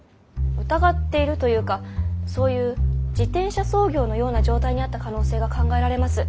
疑っているというかそういう自転車操業のような状態にあった可能性が考えられます。